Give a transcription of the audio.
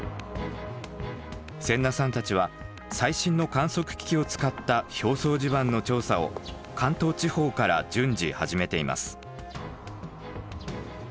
先名さんたちは最新の観測機器を使った表層地盤の調査を関東地方から順次始めています。